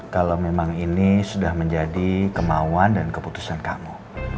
kalau memang ini sudah menjadi kemauan dan keputusan kamu